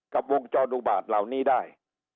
กับวงจอดุบาทเหล่านี้ได้